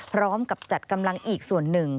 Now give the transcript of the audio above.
พร้อมกับจัดกำลังอีกส่วนหนึ่ง